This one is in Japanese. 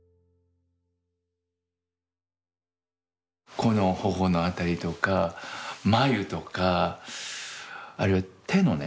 この頬のあたりとか眉とかあるいは手のね